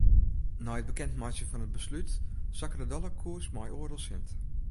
Nei it bekendmeitsjen fan it beslút sakke de dollarkoers mei oardel sint.